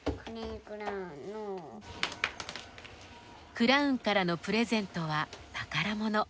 クラウンからのプレゼントは宝物。